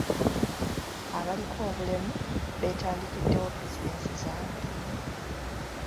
Abaliko obulemu beetandikiddewo bizinensi zaabwe.